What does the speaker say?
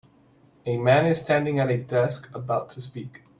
A man is standing at a desk about to speak.